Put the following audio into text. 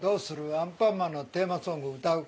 『アンパンマン』のテーマソング、歌うか？